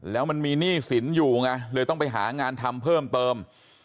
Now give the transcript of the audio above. แล้วมันมีหนี้สินอยู่ไงเลยต้องไปหางานทำเพิ่มเติม